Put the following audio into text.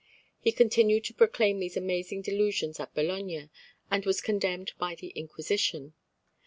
He continued to proclaim these amazing delusions at Bologna, and was condemned by the Inquisition.